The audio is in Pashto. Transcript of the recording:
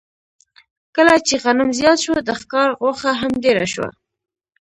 کله چې غنم زیات شو، د ښکار غوښه هم ډېره شوه.